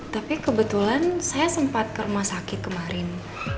tapi kebetulan saya sempat ke rumah sakit kemarin